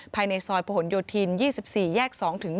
ภายในซอยพย๒๔แยก๒๑